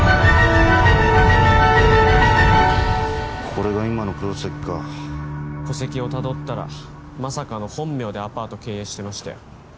これが今の黒崎か戸籍をたどったらまさかの本名でアパート経営してましたよ